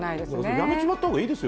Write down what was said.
やめちまった方がいいですよ